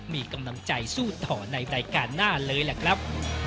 มีกำลังใจสู้ต่อในรายการหน้าเลยล่ะครับ